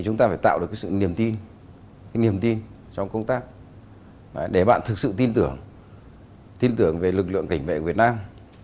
chúng ta phải tạo được sự niềm tin trong công tác để bạn thực sự tin tưởng về lực lượng cảnh vệ của việt nam